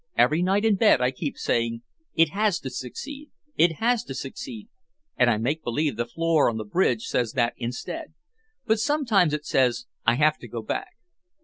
Every night in bed I keep saying: It has to succeed, It has to succeed, and I make believe the floor on the bridge says that instead. But sometimes it says I have to go back.